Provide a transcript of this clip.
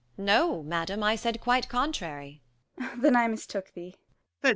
No, madam, I said quite contrary. 45 Gon. Then I mistook thee. Com.